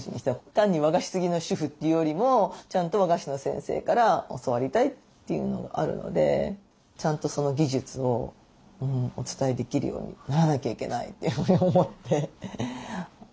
単に和菓子好きの主婦というよりもちゃんと和菓子の先生から教わりたいというのがあるのでちゃんとその技術をお伝えできるようにならなきゃいけないというふうに思って。